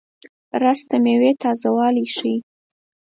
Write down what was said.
رس د میوې تازهوالی ښيي